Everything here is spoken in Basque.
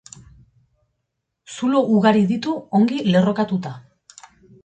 Zulo ugari ditu ongi lerrokatuta.